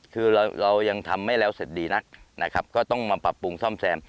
คือเรายังทำไม่แล้วเสร็จดีนักนะครับก็ต้องมาปรับปรุงซ่อมแซม